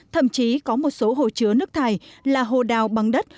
thậm chí có một số hồ chứa nước thải là hồ đào bằng đất